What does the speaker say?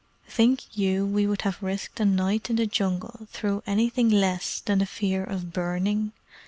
"Think you we would have risked a night in the Jungle through anything less than the fear of burning?